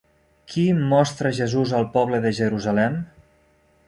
Qui mostra a Jesús al poble de Jerusalem?